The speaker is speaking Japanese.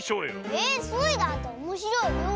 えっスイだっておもしろいよ！